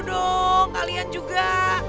dong kalian juga